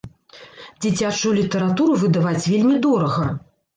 Дзіцячую літаратуру выдаваць вельмі дорага.